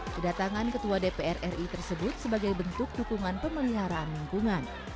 kedatangan ketua dpr ri tersebut sebagai bentuk dukungan pemeliharaan lingkungan